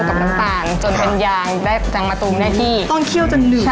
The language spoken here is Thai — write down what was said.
ใช่ค่ะไม่ใช่แป้งมาเอามาใช้ได้เลย